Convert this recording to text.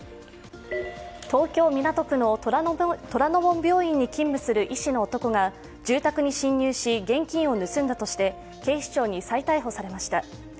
東京・港区の虎の門病院に勤務する医師の男が住宅に侵入し、現金を盗んだとして警視庁に再逮捕されました。